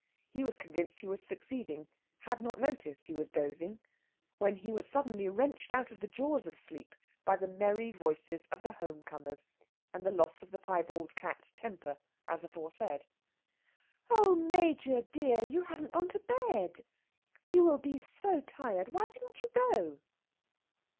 He was convinced he was succeeding, had not noticed he was dozing, when he was suddenly wrenched out of the jaws of sleep by the merry voices of the home comers and the loss of the piebald cat's temper as aforesaid. "Oh, Major dear, you haven't gone to bed! You will be so tired! Why didn't you go?"